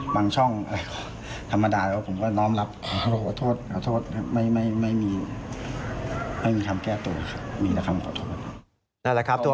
หมั่งช่องอะไรก็ธรรมดาผมก็น้องรับโทษไม่มีคำแก้ตัวแบบนี้คำขอโทษ